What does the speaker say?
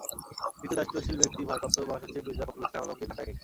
তৃতীয় দায়িত্বশীল ব্যক্তি ভারপ্রাপ্ত মহাসচিব মির্জা ফখরুল ইসলাম আলমগীর ঢাকায় নেই।